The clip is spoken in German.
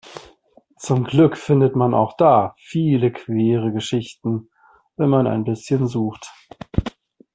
Zum Glück findet man auch da viele queere Geschichten, wenn man ein bisschen sucht.